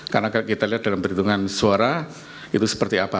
karena kita lihat dalam perhitungan suara itu seperti apa